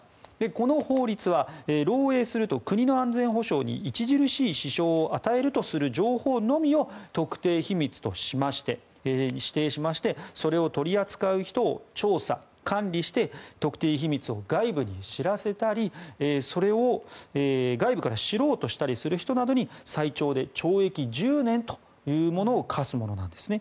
この法律は漏洩すると国の安全保障に著しい支障を与えるとする情報のみを特定秘密に指定しましてそれを取り扱う人を調査・管理して特定秘密を外部に知らせたりそれを外部から知ろうとしたりする人などに最長で懲役１０年を科すものなんですね。